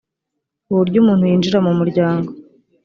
uburyo umuntu yinjira mu muryango